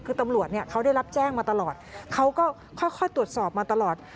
คือตำรวจเนี่ยเขาได้รับแจ้งมาตลอดเขาก็ค่อยตรวจสอบมาตลอด